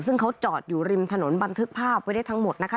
ซึ่งเขาจอดอยู่ริมถนนบันทึกภาพไว้ได้ทั้งหมดนะคะ